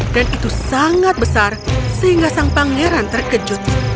dan itu sangat besar sehingga sang pangeran terkejut